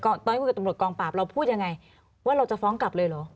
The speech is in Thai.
ตอนนี้คุยกับตำรวจกองปราบเราพูดยังไงว่าเราจะฟ้องกลับเลยเหรอ